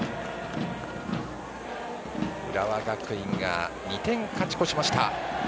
浦和学院が２点勝ち越しました。